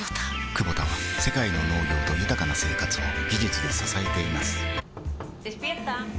クボタは世界の農業と豊かな生活を技術で支えています起きて。